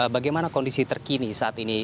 bagaimana kondisi terkini saat ini